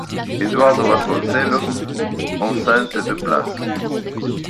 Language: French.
Eduardo Vasconcelos, enceinte de places.